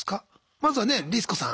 まずはねリス子さん。